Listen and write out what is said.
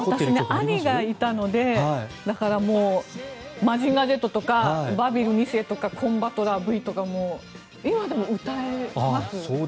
私、兄がいたのでだから、「マジンガーＺ」とか「バビル２世」とか「コン・バトラーＶ」とか今でも歌えます。